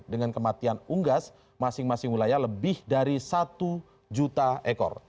dengan kematian unggas masing masing wilayah lebih dari satu juta ekor